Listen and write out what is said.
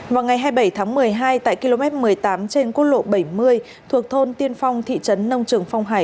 vào ngày hai mươi bảy tháng một mươi hai tại km một mươi tám trên quốc lộ bảy mươi thuộc thôn tiên phong thị trấn nông trường phong hải